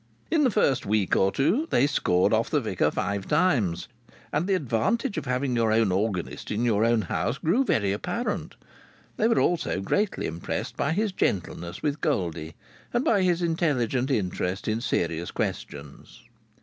In the first week or two they scored off the vicar five times, and the advantage of having your organist in your own house grew very apparent. They were also greatly impressed by his gentleness with Goldie and by his intelligent interest in serious questions.